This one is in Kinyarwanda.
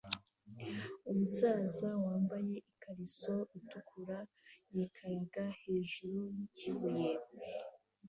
Umusaza wambaye ikariso itukura yikaraga hejuru yikibuye